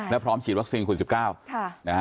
และพร้อมฉีดวัคซิงคุณ๑๙